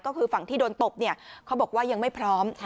ก็คือฝั่งที่โดนตบเขาบอกว่ายังไม่พร้อม